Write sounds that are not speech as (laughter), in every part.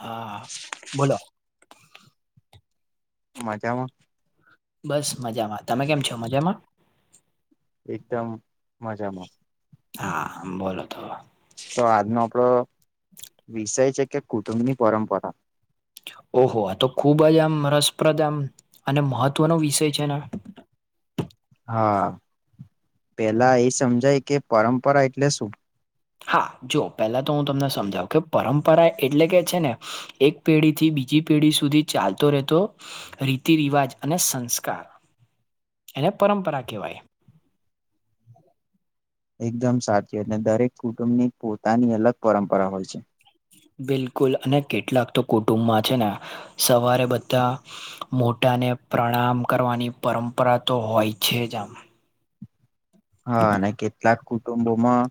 હા બોલો મજામાં બસ મજામાં તમે કેમ છો, મજામાં એકદમ મજામાં હા બોલો તો તો આજનો આપડો વિષય છે કે કુટુંબની પરંપરા ઓહો આ તો ખુબ જ આમ રસપ્રદ આમ અને મહત્વનો વિષય છે ને હા પેલા એ સમજાય કે પરંપરા એટલે શું? હા જો પહેલા તો હું તમને સમજાવું કે પરંપરા એટલે કે છે ને એક પેઢી થી બીજી પેઢી સુધી ચાલતો રહેતો રીતિ રિવાજ અને સંસ્કાર, એને પરંપરા કેહેવાય. એકદમ સાચને દરેક કુટુંબની પોતાની અલગ પરંપરા હોય છે. બિલકુલ અને કેટલાક તો કુટુંબમાં છે ને સવારે બધા મોટાને પ્રણામ કરવાની પરંપરા તો હોય છે જ આમ હા અને કેટલાક કુટુંબોમાં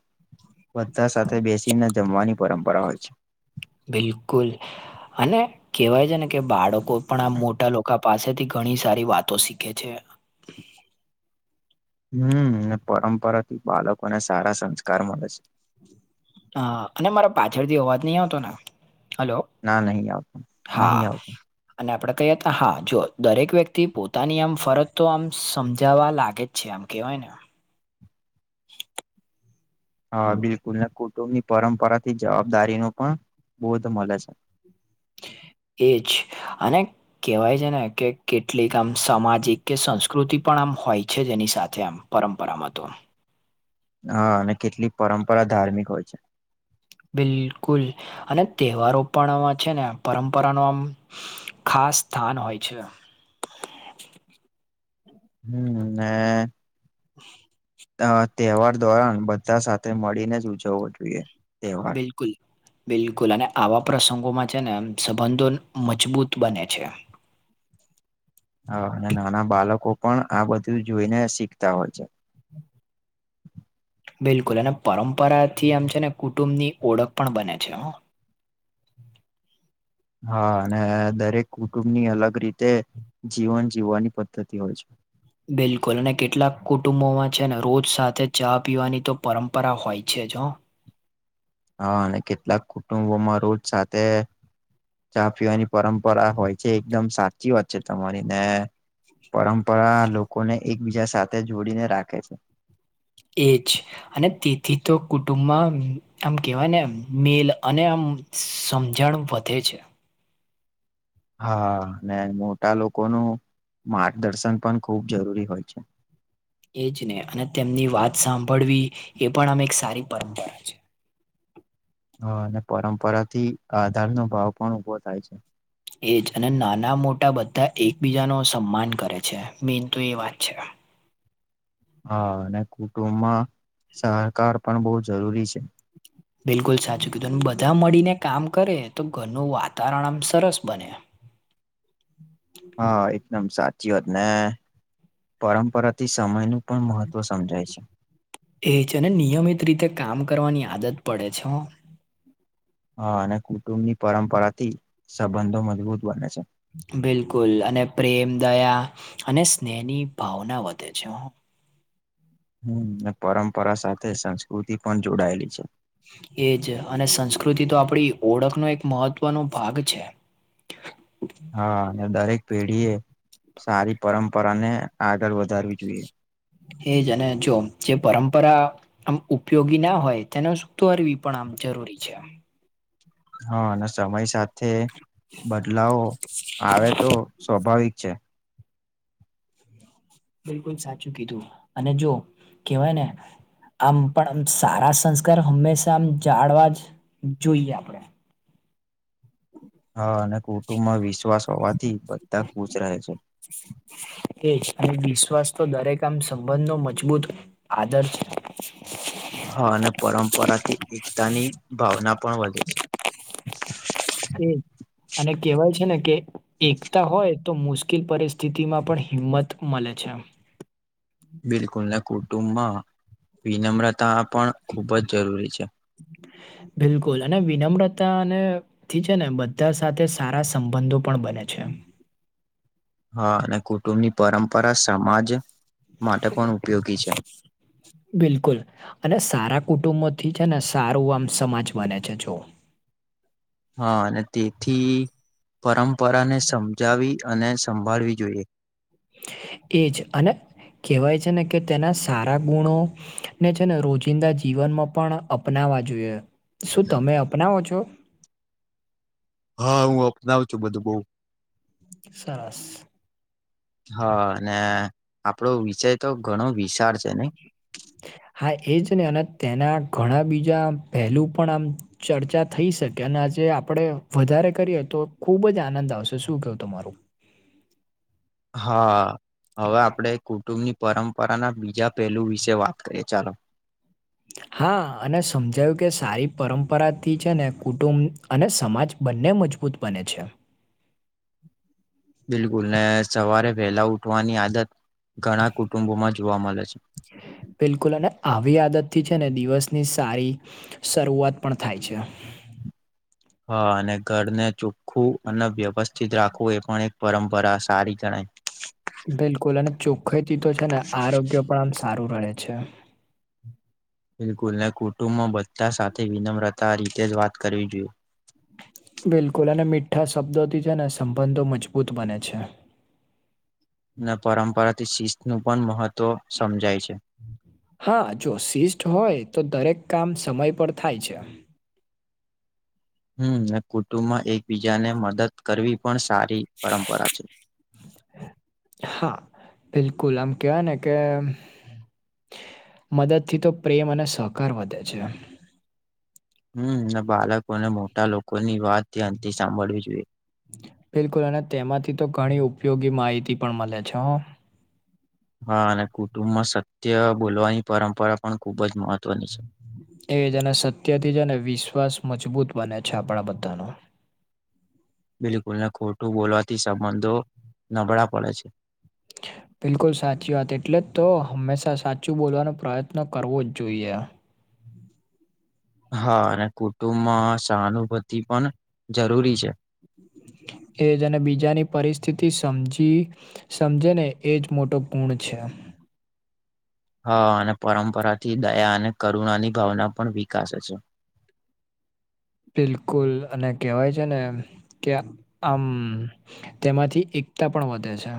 બધા સાથે બેસીને જમવાની પરંપરા હોય છે. બિલકુલ અને કેહેવાય છે ને કે બાળકો પણ આ મોટા લોકો પાસેથી ઘણી સારી વાતો શીખે છે. હમ્મ પરંપરાથી બાળકોને સારા સંસ્કાર મળે છે. હા અને મારા પાછળથી અવાજ નહી આવતો ને, હલો ના નહી આવતું, નહીં હા આવતું. અને આપણે કહીએ હતા હા જો દરેક વ્યક્તિ પોતાની આમ ફરજ તો આમ સમજાવવા લાગે. જેમ કહેવાય ને કોઈ (inaudible) હા બિલકુલ ને કુટુંબ ની પરંપરા થી જવાબદારી નું પણ બોધ મળે છે. એ જ અને કેહેવાય છે, ને કે કેટલીક આમ સામાજિક કે સંસ્કૃતિ પણ આમ હોય છે, જેની સાથે આમ પરંપરામાં તો હા અને કેટલીક પરંપરા ધાર્મિક હોય છે, બિલકુલ અને તહેવારો પણ આમાં છે, ને પરંપરા નો આમ, ખાસ સ્થાન હોય છે. હે. (inaudible) અ તહેવાર ધોરણ બધા સાથે મળીને જ ઉજવવો જોઈએ. લ (unintelligible) તહેવાર બિલકુલ બિલકુલ અને આવા પ્રસંગોમાં છે, ને સંબંધો મજબૂત બને છે. હ અને નાના બાળકો પણ આ બધું જોઈને શીખતા હોય છે (inaudible) બિલકુલ અને પરંપરા થી આમ છે, ને કુટુંબ ની ઓળખ પણ બને છે. હા અને દરેક કુટુંબની અલગ રીતે જીવન જીવવાની પદ્ધતિ હોય છે. બિલકુલ અને કેટલાક કુટુંબોમાં છે, ને રોજ સાથે ચા પીવાની તો પરંપરા હોય છે. જ હા અને કેટલાક કુટુંબોમાં રોજ સાથે ચા પીવાની પરંપરા હોય છે, એકદમ સાચી વાત છે. તમારી ને પરંપરા લોકોને એકબીજા સાથે જોડીને રાખે છે એજ અને તેથી તો કુટુંબમાં આમ કેવાય ને મેલ અને આમ સમજણ વધે છે. હા મોટા લોકોનું માર્ગદર્શન પણ ખુબ જરૂરી હોય છે. એ જ ને અને તેમની વાત સાંભળવી એ પણ આમ એક સારી પરંપરા છે. હ અને પરંપરા થી આધાર નો ભાવ પણ ઉભો થાય છે. એજ અને નાના મોટા બધા એકબીજા નો સન્માન કરે છે, મેન તો એ વાત છે. હા અને કુટુંબમાં સહકાર પણ બહુ જરૂરી છે. બિલકુલ સાચું કીધું બધા મળીને કામ કરે તો ઘરનું વાતાવરણ આમ સરસ બને. હા એકદમ સાચી વાત ને, પરંપરાથી સમય નું પણ મહત્વ સમજાય છે, એજ અને નિયમિત રીતે કામ કરવાની આદત પડે છે. હો હા અને કુટુંબની પરંપરાથી સંબંધો મજબૂત બને છે. બિલકુલ અને પ્રેમ દયા અને સ્નેહની ભાવના વધે છે. હું પરંપરા સાથે સંસ્કૃતિ પણ જોડાયેલી છે. એ જ અને સંસ્કૃતિ તો આપડી ઓળખનો એક મહત્વનો ભાગ છે. હા અને દરેક પેઢી એ સારી પરંપરાને આગળ વધારવી જોઈએ. એજ અને જો જે પરંપરા આમ ઉપયોગી ના હોય તેનો સ તો અરવી પણ આમ જરૂરી છે, હા અને સમય સાથે બદલાવો આવે તો સ્વાભાવિક છે, બિલકુલ સાચું કીધું અને જો કેહેવાય ને આમ પણ આમ સારા સંસ્કાર હંમેશા આમ જાળવા જ જોઈએ, આપણે હા અને કુટુંબમાં વિશ્વાસ હોવાથી બધા ખુશ રહે છે. હ (inaudible) એજ અને વિશ્વાસ તો દરેક આમ સંબંધનો મજબૂત આદર છે. હા અને પરંપરાથી એકતાની ભાવના પણ વધે છે. એજ અને કેહેવાય છે, ને કે એકતા હોય તો મુશ્કેલ પરિસ્થિતિ માં પણ હિંમત મળે છે, બિલકુલ નાને કુટુંબમાં વિનમ્રતા પણ ખૂબ જ જરૂરી છે. (inaudible) બિલકુલ અને વિનમ્રતા અને થીી છે ને બધા સાથે સારા સંબંધો પણ બને છે હા અને કુટુંબની પરંપરા સમાજ માટે પણ ઉપયોગી છે. બિલકુલ અને સારા કુટુંબોથી છે ને સારું આમ સમાજ બને છે જઓ હા અને તેથી પરંપરાને સમજાવી અને સંભાળવી જોઈએ. એજ અને કેહેવાય છે ને કે તેના સારા ગુણો ને છે ને રોજિંદા જીવનમાં પણ અપનાવા જોઈએ શું તમે અપનાવો છો? હા હું અપનાવ છું બધું બઉ. સરસ. હા અને આપણો વિષય તો ઘણો વિશાળ છે ને (inaudible) હા એ જ ને અને તેના ઘણા બીજા પહેલું પણ આમ ચર્ચા થઈ શકે અને આજે આપણે વધારે કરીએ તો ખુબ જ આનંદ આવશે શું કેવું તમારું? હા હવે આપડે કુટુંબની પરંપરાના બીજા પહેલું વિશે વાત કરીએ ચાલો. હા અને સમજાયું કે સારી પરંપરાથી છે ને કુટુંબ અને સમાજ બંને મજબૂત બને છે. બિલકુલ ને સવારે વહેલા ઉઠવાની આદત ઘણા કુટુંબો માં જોવા મળે છે. બિલકુલ અને આવી આદત થી છે ને દિવસની સારી શરૂઆત પણ થાય છે. હા અને ઘરને ચોખ્ખવું અને વ્યવસ્થિત રાખવું એ પણ એક પરંપરા સારી ગણાય. બિલકુલ અને ચોખ્ખાઈથી તો છે ને આરોગ્ય પણ આમ સારું રહેે છે. બિલકુલ ને કુટુંબ બધા સાથે વિનમ્રતા રીતે જ વાત કરવી જોઈએ. બિલકુલ અને મીઠા શબ્દોથી છે ને સંબંધો મજબૂત બને છે. ને પરંપરાથી શિસ્ત નું પણ મહત્વ સમજાય છે. હા જો શિષ હોય તો દરેક કામ સમય પર થાય છે. હમ કુટુંબમાં એકબીજાને મદદ કરવી પણ સારી પરંપરા છે. હા બિલકુલ આમ કેવાય ને કે મદદથી તો પ્રેમ અને સહકાર વધે છે. હમ બાળકોને મોટા લોકોની વાત ધ્યાથી સાંભળવી જોઈએ. બિલકુલ અને તેમાંથી તો ઘણી ઉપયોગી માહિતી પણ મળે છે. હા અને કુટુંબમાં સત્ય બોલવાની પરંપરા પણ ખુબ જ મહત્વની છે. એ જેને સત્યથી છે ને વિશ્વાસ મજબૂત બને છે આપણા બધાનો. બિલકુલ ને ખોટું બોલવાથી સંબંધો નબળા પડે છે. બિલકુલ સાચી વાત એટલે તો હંમેશા સાચું બોલવાનો પ્રયત્ન કરવો જ જોઈએ. હા અને કુટુંબમાં સહાનુભૂતિ પણ જરૂરી છે. એ જ અને બીજાની પરિસ્થિતિ સમજી સમજે ને એજ મોટો પુણ છે. હા અને પરંપરાથી દયા અને કરુણાની ભાવના પણ વિકસે છે. બિલકુલ અને કેવાય છે ને કે આમ તેમાંથી એકતા પણ વધે છે.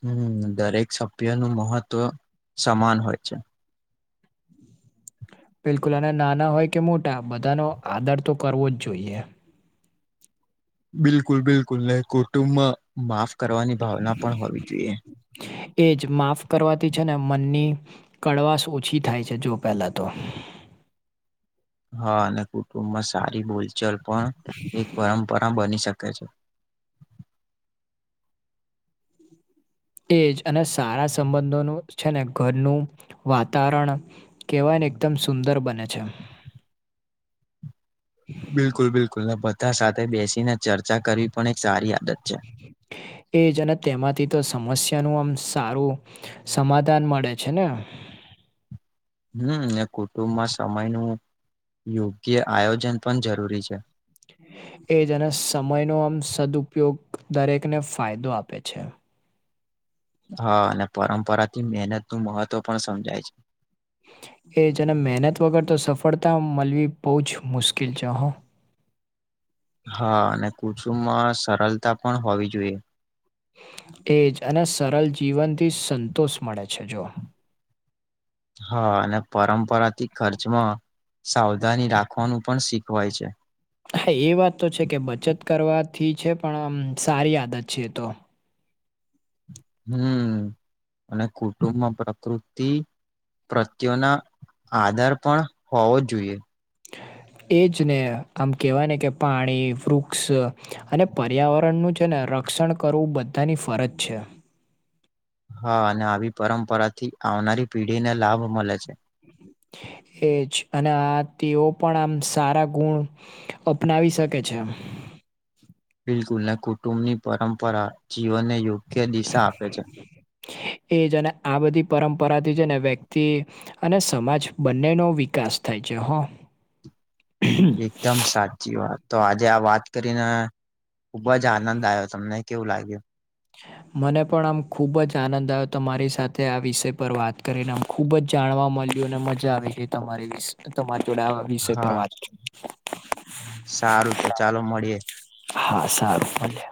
હમ દરેક સભ્ય નું મહત્વ સમાન હોય છે. બિલકુલ અને નાના હોય કે મોટા બધાનો આદર તો કરવો જ જોઈએ. બિલકુલ બિલકુલ નહી કુટુંબ માં માફ કરવાની ભાવના પણ હોવી જોઈએ. એજ માફ કરવાથી છે ને મનની કડવાશ ઓછી થાય છે જો પહેલાં તો. હા અને કુટુંબમાં સારી બોલચલ પણ એક પરંપરા બની શકે છે. એજ અને સારા સંબંધોનું છે ને ઘરનું વાતાવરણ કહેવાય ને એકદમ સુંદર બને છે. બિલકુલ બિલકુલ બધા સાથે બેસીને ચર્ચા કરવી પણ એક સારી આદત છે. એજ અને તેમાંથી તો સમસ્યા નું આમ સારું સમાધાન મળે છે ને. હમ ને કુટુંબમાં સમય નું યોગ્ય આયોજન પણ જરૂરી છે. એજ અને સમય નો આમ સદઉપયોગ દરેકને ફાયદો આપે છે. હા અને પરંપરા થી મહેનત નું મહત્વ પણ સમજાય છે. એ છેને મહેનત વગર તો સફળતા મળવી બહ જ મુશ્કેલ છે હ. હા અને કુચુંમાં સરળતા પણ હોવી જોઈએ. એજ અને સરલ જીવન થી સંતોષ મળે છે જો. હા અને પરંપરાથી ખર્ચમાં સાવધાની રાખવાનું પણ શીખવાય છે. હા એ વાત તો છે કે બચત કરવાથી છે પણ આમ સારી આદત છે તો. હમ અને કુટુંબમાં પ્રકૃતિ. પ્રત્ય્યોના આધાર પણ હોવો જોઈએ. (inaudible) એ જ ને આમ કહેવાય ને કે પાણી વૃક્ષ અને પર્યાવરણનું છે ને ર. રિકક્ષણ કરવું બધાની ફરજ છે. હા અને આવી પરંપરાથી આવનારી પેઢીને લાભ મળે છે. એજ અને આ તેઓ પણ આમ સારા ગુણ. અપનાવી શકે છે. બિલકુલ ને કુટુંબની પરંપરા જીવનને યોગ્ય દિશા આપે છે. એજને આ બધી પરંપરાથી છે ને વ્યક્તિ. અને સમાજ બંનેનો વિકાસ થાય છે હ. એકદમ સાચી વાત. તો આજે આ વાત કરીને ખુબ જ આનંદ આવ્યો તમને કેવું લાગ્યું. મને પણ આમ ખુબ જ આનંદ આવ્યો હતો મારી સાથે આ વિષય પર વાત કરીને. ખુબ જ જાણવા મળ્યું અને મજા આવે છે તમારી વિ તમારી જોડે આ વિષય પર હા વાત કરી. સારું તો ચાલો મળીએે. હા સારું ભલે.